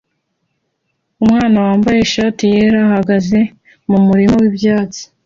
Umwana wambaye ishati yera ahagaze mumurima wibyatsi